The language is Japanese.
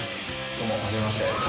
・どうも初めまして。